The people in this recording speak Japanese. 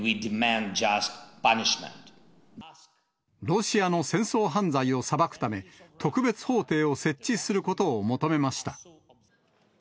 ロシアの戦争犯罪を裁くため、特別法廷を設置することを求めました。